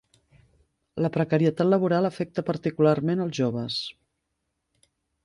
La precarietat laboral afecta particularment els joves.